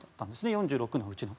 ４６本のうちの。